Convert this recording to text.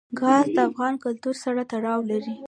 ګاز د افغان کلتور سره تړاو لري.